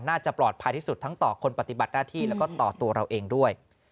น่าจะปลอดภัยที่สุดทั้งต่อคนปฏิบัติหน้าที่แล้วก็ต่อตัวเราเองด้วย